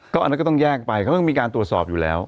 อันนั้นก็ต้องแยกไปเขาต้องมีการตรวจสอบอยู่แล้ว